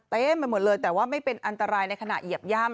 เต็มไปหมดเลยแต่ว่าไม่เป็นอันตรายในขณะเหยียบย่ำ